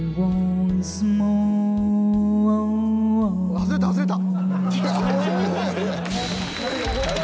外れた外れた！